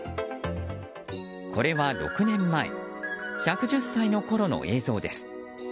これは６年前１１０歳のころの映像です。